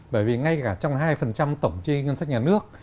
bởi vì ngay cả trong hai tổng chi ngân sách nhà nước